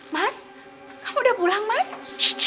putri itu berhati lembut